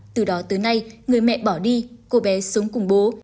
từ đó tới nay người mẹ bỏ đi cô bé sống cùng bố